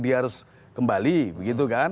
dia harus kembali begitu kan